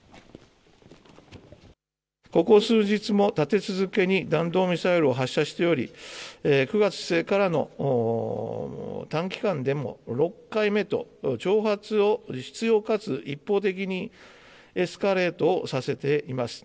ここ数日も立て続けに弾道ミサイルを発射しており、９月末からの短期間でも６回目と、挑発を執ようかつ一方的にエスカレートさせています。